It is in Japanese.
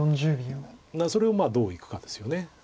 それをどういくかですよね。